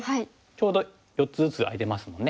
ちょうど４つずつ空いてますもんね。